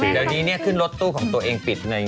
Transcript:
เดี๋ยวนี้ขึ้นรถตู้ของตัวเองปิดใน